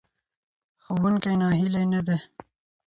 ښوونکی ناهیلی نه دی.